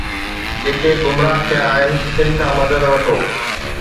جيڪي گمراھ ٿيا آھن تن کان مدد وٺو